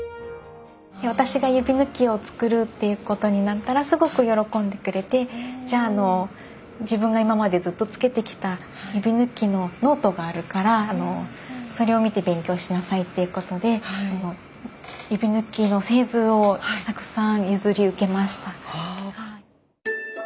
私が指ぬきを作るっていうことになったらすごく喜んでくれてじゃあ自分が今までずっとつけてきた指ぬきのノートがあるからそれを見て勉強しなさいっていうことで指ぬきの製図をたくさん譲り受けました。